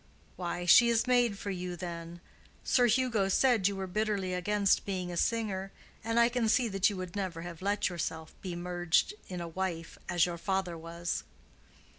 "Why, she is made for you then. Sir Hugo said you were bitterly against being a singer, and I can see that you would never have let yourself be merged in a wife, as your father was."